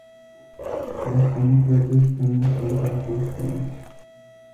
Dar să nu credeți că nu suntem conștienți.